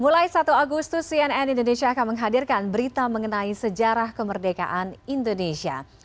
mulai satu agustus cnn indonesia akan menghadirkan berita mengenai sejarah kemerdekaan indonesia